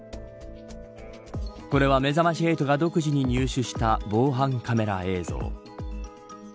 これは、めざまし８が独自に入手した防犯カメラ映像。